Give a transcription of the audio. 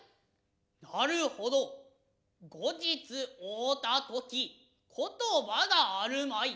なる程後日会うた時言葉があるまい。